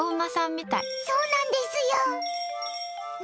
そうなんですよ。